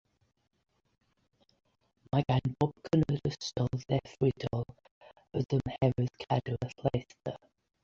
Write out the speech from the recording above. Mae gan bob cnwd ystod ddelfrydol o dymheredd cadw a lleithder.